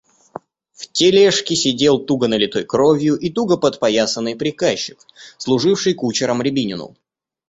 В тележке сидел туго налитой кровью и туго подпоясанный приказчик, служивший кучером Рябинину.